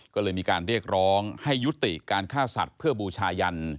ก็เลยมีการเรียกร้องให้ยุติการฆ่าสัตว์เพื่อบูชายัน